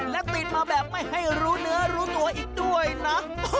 และติดมาแบบไม่ให้รู้เนื้อรู้ตัวอีกด้วยนะ